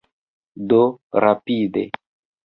Do, rapide.